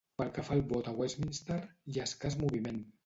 Pel que fa al vot a Westminster, hi ha escàs moviment.